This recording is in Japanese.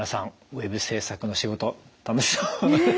ウェブ制作の仕事楽しそうでしたね。